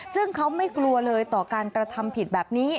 ซึ่งเขาไม่กลัวเลยต่อการกระทำผิดแบบนี้